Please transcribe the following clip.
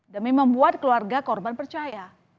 demi membuat keluarga korban percaya